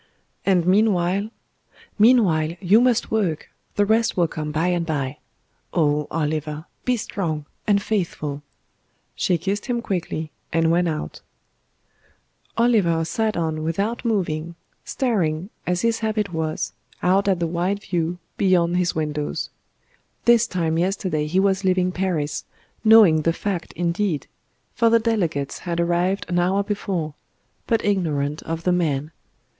"And meanwhile " "Meanwhile, you must work; the rest will come by and bye. Oh! Oliver, be strong and faithful." She kissed him quickly, and went out. Oliver sat on without moving, staring, as his habit was, out at the wide view beyond his windows. This time yesterday he was leaving Paris, knowing the fact indeed for the delegates had arrived an hour before but ignorant of the Man.